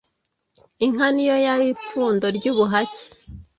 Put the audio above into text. Inka ni yo yari ipfundo ry'ubuhake